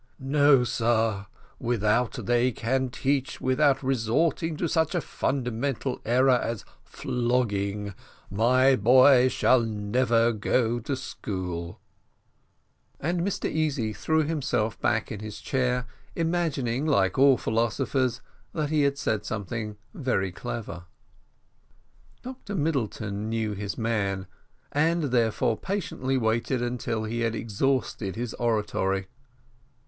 No, sir, without they can teach without resorting to such a fundamental error as flogging, my boy shall never go to school." And Mr Easy threw himself back in his chair, imagining, like all philosophers, that he had said something very clever. Dr Middleton knew his man, and therefore patiently waited until he had exhausted his oratory.